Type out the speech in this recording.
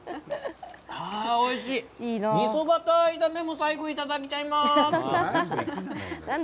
みそバター炒めも最後いただきます。